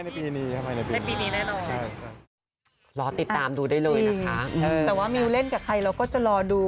แต่ว่ามิวเล่นกับใครเราก็จะรอดู